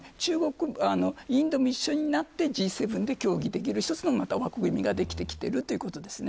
インドも一緒になってＧ７で協議できる一つの枠組みができてきているということですよね。